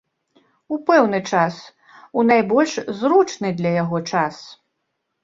У пэўны час, у найбольш зручны для яго час.